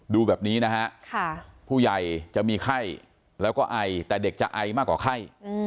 ดูแบบนี้นะฮะผู้ใหญ่จะมีไข้แล้วก็ไอแต่เด็กจะไอมากกว่าไข้